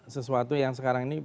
sesuatu yang sekarang ini